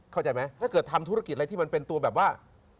เข้าใจไหมถ้าเกิดทำธุรกิจอะไรที่มันเป็นตัวแบบว่า